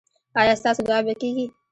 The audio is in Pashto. ایا ستاسو دعا به کیږي؟